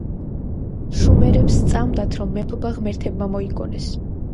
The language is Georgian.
შუმერებს სწამდათ რომ მეფობა ღმერთებმა მოიგონეს.